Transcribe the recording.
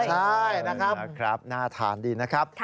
ใช่นะครับน่าทานดีนะครับ